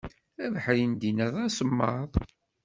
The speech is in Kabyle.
Abeḥri n dinna d asemmaḍ.